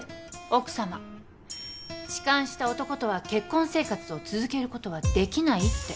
奥さま痴漢した男とは結婚生活を続けることはできないって。